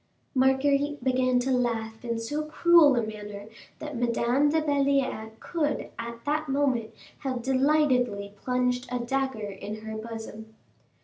Marguerite began to laugh in so cruel a manner that Madame de Belliere could at that moment have delightedly plunged a dagger in her bosom.